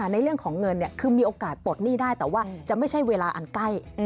ในเรื่องของเงินคือมีโอกาสปลดหนี้ได้แต่ว่าจะไม่ใช่เวลาอันใกล้